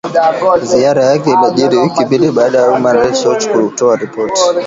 Ziara yake inajiri wiki mbili baada ya Human Rights Watch kutoa ripoti